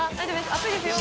熱いですよ。